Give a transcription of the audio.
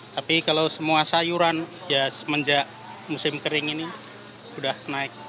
tapi kalau semua sayuran ya semenjak musim kering ini sudah naik